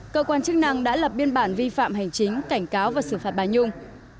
cơ quan chức năng đã lập biên bản vi phạm hành chính cảnh cáo và xử phạt bà nhung